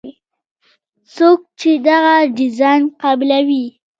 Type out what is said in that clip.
څوک چې دغه ډیزاین قبلوي.